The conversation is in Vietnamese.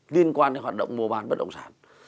liên quan đến hoạt động mua bán bất động sản